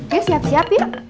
ya siap siap yuk